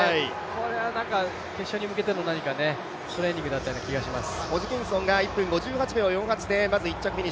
これは決勝に向けての何かトレーニングになった気がします。